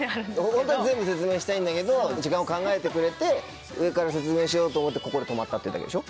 ホントは全部説明したいんだけど時間を考えてくれて上から説明しようと思ってここで止まったっていうだけでしょ？